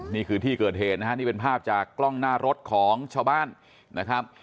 นี่คือที่เกิดเหตุนะฮะนี่เป็นภาพจากกล้องหน้ารถของชาวบ้านนะครับ